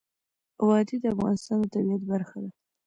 وادي د افغانستان د طبیعت برخه ده.